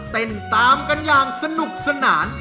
ติดตามกันอย่างสนุกสนาน